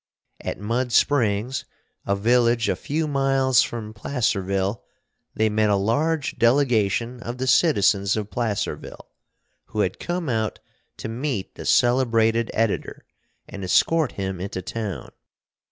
_" At Mud Springs, a village a few miles from Placerville, they met a large delegation of the citizens of Placerville, who had come out to meet the celebrated editor, and escort him into town.